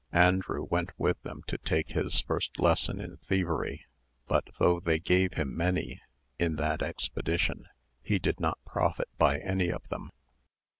Andrew went with them to take his first lesson in thievery; but though they gave him many in that expedition, he did not profit by any of them.